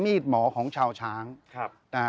เหมือนเล็บแต่ของห้องเหมือนเล็บตลอดเวลา